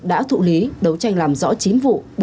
đã thụ lý đấu tranh làm rõ chín vụ